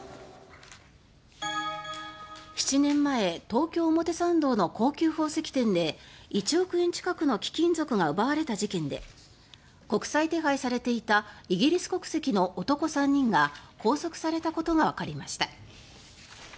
７年前東京・表参道の高級宝石店で１億円近くの貴金属が奪われた事件で国際手配されていたイギリス国籍の男３人が拘束されたことがわかりました。